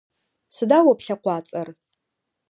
Сыда о плъэкъуацӏэр?